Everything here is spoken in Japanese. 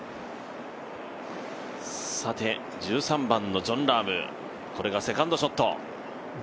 １３番のジョン・ラーム、これがセカンドショット。